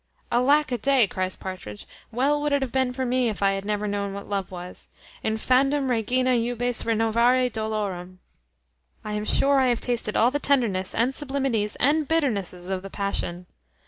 "Alack a day!" cries Partridge, "well would it have been for me if I had never known what love was. Infandum regina jubes renovare dolorem. I am sure I have tasted all the tenderness, and sublimities, and bitternesses of the passion."